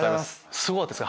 すごかったですか？